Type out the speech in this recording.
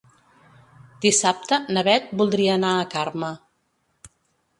Dissabte na Bet voldria anar a Carme.